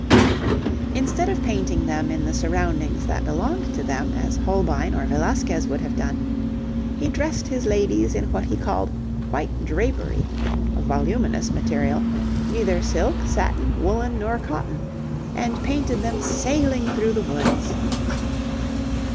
Instead of painting them in the surroundings that belonged to them, as Holbein or Velasquez would have done, he dressed his ladies in what he called white 'drapery,' a voluminous material, neither silk, satin, woollen, nor cotton, and painted them sailing through the woods.